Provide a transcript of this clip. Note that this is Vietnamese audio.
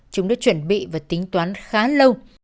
chúng đã chuẩn bị và tính toán khá lâu